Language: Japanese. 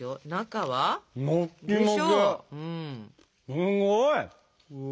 すごい！